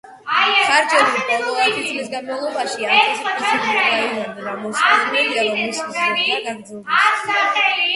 ხარჯები ბოლო ათი წლის განმავლობაში ათასი პროცენტით გაიზარდა და მოსალოდნელია, რომ მისი ზრდა გაგრძელდება.